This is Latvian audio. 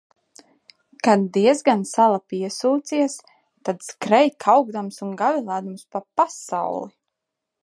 Kad diezgan sala piesūcies, tad skrej kaukdams un gavilēdams pa pasauli.